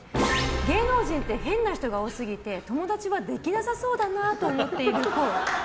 芸能人って変な人が多すぎて友達はできなさそうだなと思っているっぽい。